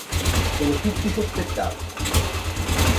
Sono tutti sospettati.